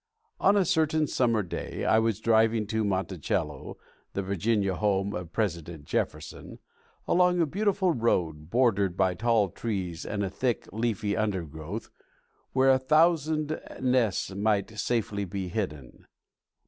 On a certain summer day I was driving to Monticello, the Virginia home of President Jefferson, along a beautiful road, bordered by tall trees and a thick, leafy undergrowth where a thousand nests might be safely hidden.